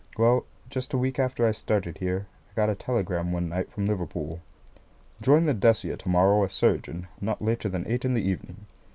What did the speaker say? Well, just a week after I started here, I got a telegram one night from Liverpool: "Join the Decia to morrow as surgeon, not later than eight in the evening."